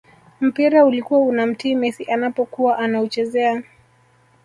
mpira ulikuwa unamtii messi anapokuwa anauchezea